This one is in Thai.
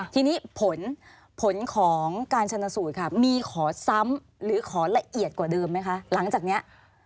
ทีนี้ผลผลของการชนสูตรค่ะมีขอซ้ำหรือขอละเอียดกว่าเดิมไหมคะหลังจากนี้